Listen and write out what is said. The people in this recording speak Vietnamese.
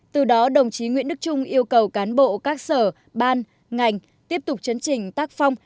từ đó đồng chí nguyễn đức trung yêu cầu cán bộ các sở ban ngành tiếp tục chấn trình tác phong